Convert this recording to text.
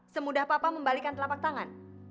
semudah papa membalikan telapak tangan